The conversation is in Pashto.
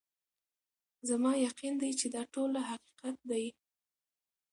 زما یقین دی چي دا ټوله حقیقت دی